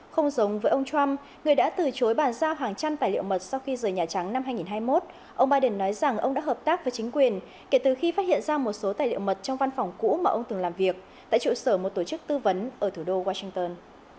không giống với ông trump người đã từ chối bàn giao hàng trăm tài liệu mật sau khi rời nhà trắng năm hai nghìn hai mươi một ông biden nói rằng ông đã hợp tác với chính quyền kể từ khi phát hiện ra một số tài liệu mật trong văn phòng cũ mà ông từng làm việc tại trụ sở một tổ chức tư vấn ở thủ đô washington